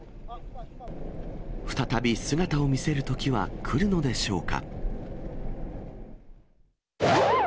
再び姿を見せるときはくるのでしょうか。